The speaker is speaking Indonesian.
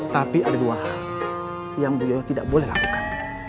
tapi ada dua hal yang beliau tidak boleh lakukan